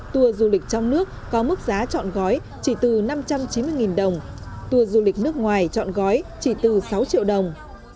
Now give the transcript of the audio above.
tour du lịch trong nước có mức giá chọn gói chỉ từ năm trăm chín mươi đồng tour du lịch nước ngoài chọn gói chỉ từ sáu triệu đồng